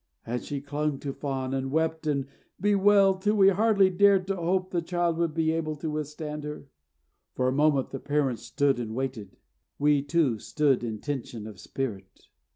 And she clung to Fawn, and wept and bewailed till we hardly dared to hope the child would be able to withstand her. For a moment the parents stood and waited. We, too, stood in tension of spirit.